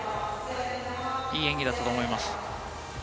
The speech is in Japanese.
いい演技だったと思います。